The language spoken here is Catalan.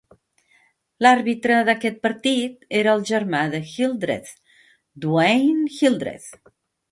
L'àrbitre d'aquest partit era el germà de Hildreth, Dwayne Hildreth.